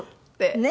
ねえ。